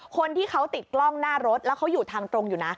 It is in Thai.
คนที่เขาติดกล้องหน้ารถแล้วเขาอยู่ทางตรงอยู่นะ